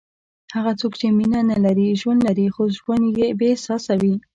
هغه څوک چې مینه نه لري، ژوند لري خو ژوند یې بېاحساسه وي.